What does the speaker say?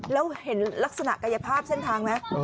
แล้วเห็นลักษณะกายภาพเส้นทางไหม